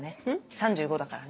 ３５だからね。